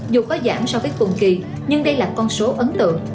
dù có giảm sau cái cuồng kỳ nhưng đây là con số ấn tượng